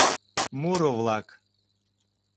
МУРО-ВЛАК